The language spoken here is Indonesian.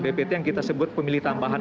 dpt yang kita sebut pemilih tambahan